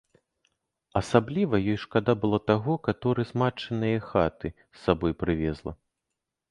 Асабліва ёй шкада было таго, каторы з матчынае хаты з сабою прывезла.